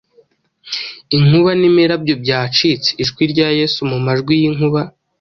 Inkuba n'imirabyo byacitse, Ijwi rya Yesu mu majwi y'inkuba: